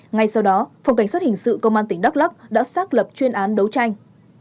ngay sau đó phòng cảnh sát hình sự công an tỉnh đắk lắc đã xác lập chuyên án đấu tranh